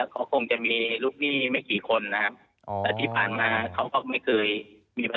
ก็คงจะมีลูกหนี้ไม่กี่คนนะครับ